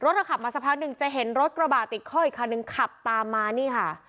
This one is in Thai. สักพักหนึ่งจะเห็นรถกระบาดติดเข้าอีกครั้งหนึ่งขับตามมานี่ค่ะ